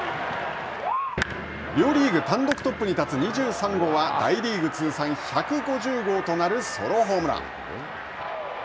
両リーグ単独トップに立つ２３号は大リーグ通算１５０号となるソロホームラン。